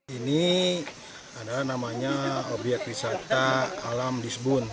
ini adalah namanya objek wisata alam dispun